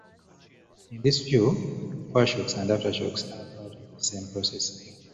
In this view, foreshocks and aftershocks are part of the same process.